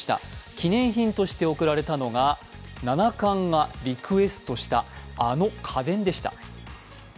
記念品として贈られたのが、七冠がリクエストしたあの家電でした。